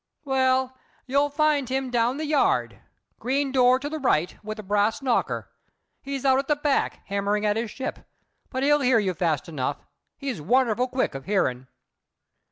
"Well, you'll find him down the yard green door to the right, with the brass knocker. He's out at the back, hammering at his ship, but he'll hear you fast enough: he's wonderful quick of hearing."